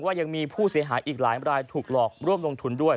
ยังมีผู้เสียหายอีกหลายรายถูกหลอกร่วมลงทุนด้วย